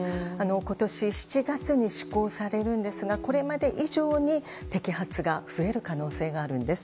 今年７月に施行されるんですがこれまで以上に摘発が増える可能性があるんです。